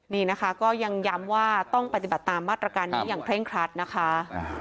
นี่นะคะก็ยังย้ำว่าต้องปฏิบัติตามมาตรการนี้อย่างเร่งครัดนะคะ